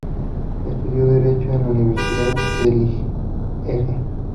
Estudió derecho en la Universidad de Lieja.